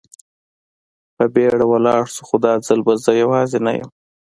په بېړه ولاړ شو، خو دا ځل به زه یوازې نه یم.